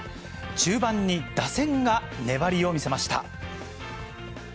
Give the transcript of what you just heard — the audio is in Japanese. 中盤に打線が粘りを見せました。